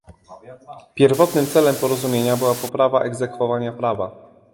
Pierwotnym celem porozumienia była poprawa egzekwowania prawa